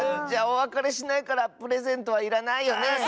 じゃおわかれしないからプレゼントはいらないよね。